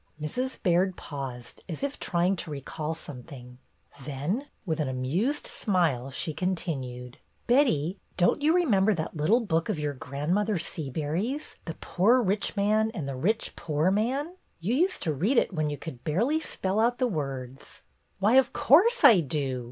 Mrs. Baird paused, as if try ing to recall something, then, with an amused smile, she continued: "Betty, don't you remember that little book of your grandmother Seabury's, 'The Poor Rich Man and the Rich Poor Man '? You used to read it when you could barely spell out the words." "Why, of course I do!"